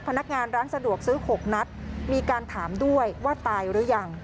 พนักงานร้านสะดวกซื้อ๖นัดมีการถามด้วยว่าตายหรือยัง